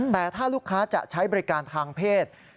แต่ถ้าลูกค้าจะใช้บริการทางเพศ